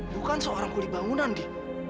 bukan seorang kulit bangunan di